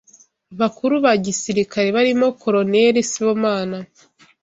bakuru ba girisikare barimo Coloneli Sibomana